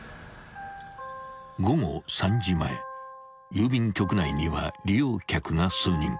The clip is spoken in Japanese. ［午後３時前郵便局内には利用客が数人］